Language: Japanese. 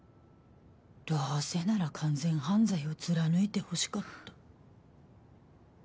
どうせなら完全犯罪を貫いてほしかった。